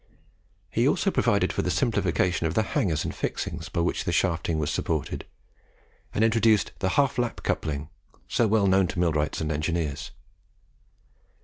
He also provided for the simplification of the hangers and fixings by which the shafting was supported, and introduced the "half lap coupling" so well known to millwrights and engineers.